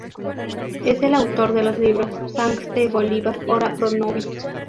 Es el autor de los libros ¡Sancte Bolívar Ora pro Nobis!